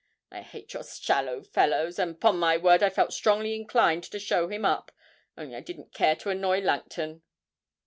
I hate your shallow fellows, and 'pon my word I felt strongly inclined to show him up, only I didn't care to annoy Langton!'